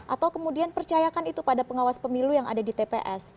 atau kemudian percayakan itu pada pengawas pemilu yang ada di tps